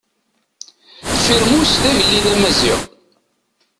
Firmus d agellid amaziɣ.